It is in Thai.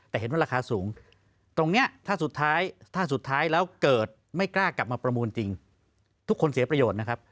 แต่เห็นว่าราคาสูงตรงนี้ถ้าสุดท้ายถ้าสุดท้ายแล้วเกิดไม่กล้ากลับมาประมูลจริงทุกคนเสียประโยชน์นะครับ